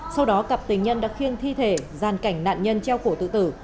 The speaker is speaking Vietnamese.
sau đó cặp tình nhân đã khiêng thi thể gian cảnh nạn nhân treo cổ tự tử